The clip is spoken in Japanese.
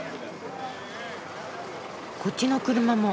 こっちの車も。